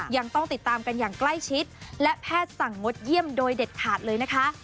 ยังต้องติดตามกันอย่างใกล้ชิดและแพทย์สั่งงดเยี่ยมโดยเด็ดขาดเลยนะคะ